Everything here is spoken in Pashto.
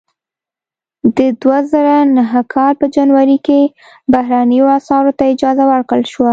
د دوه زره نهه کال په جنوري کې بهرنیو اسعارو ته اجازه ورکړل شوه.